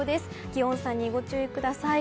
気温差にご注意ください。